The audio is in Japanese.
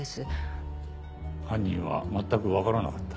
犯人は全くわからなかった？